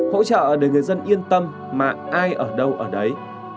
hỗ trợ để người dân yên tâm mà ai ở đâu ở đấy